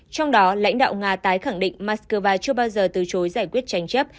trong đó lãnh đạo nga tái khẳng định moscow chưa bao giờ từ chối giải quyết tranh chấp